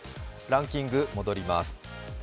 ランキング、戻ります。